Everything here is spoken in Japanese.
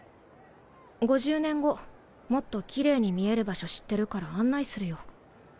５０年後もっとキレイに見える場所知ってるから案内するよ。